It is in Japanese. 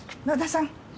野田さん